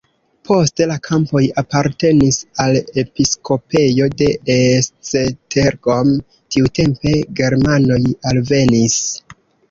Poste la kampoj apartenis al episkopejo de Esztergom, tiutempe germanoj alvenis.